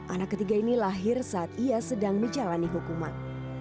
anak ketiga ini lahir saat ia sedang menjalani hukuman